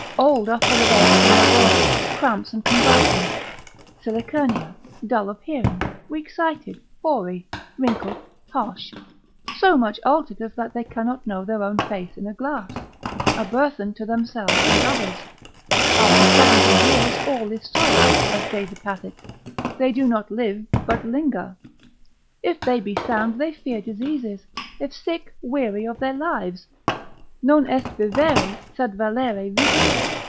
old are full of aches in their bones, cramps and convulsions, silicernia, dull of hearing, weak sighted, hoary, wrinkled, harsh, so much altered as that they cannot know their own face in a glass, a burthen to themselves and others, after 70 years, all is sorrow (as David hath it), they do not live but linger. If they be sound, they fear diseases; if sick, weary of their lives: Non est vivere, sed valere vita.